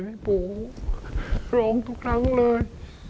ปู่ร้องทุกครั้งเลย